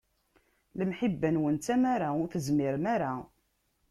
Lemḥiba-nwen d tamara, ur tezmirem ara.